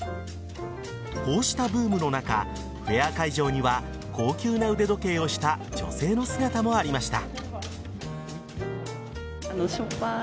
こうしたブームの中フェア会場には高級な腕時計をした女性の姿もありました。